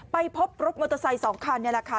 ไปพบรถโมนตะใสสองคันเนี่ยละค่ะ